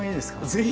ぜひ。